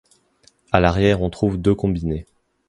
À l'arrière on trouve deux combinés.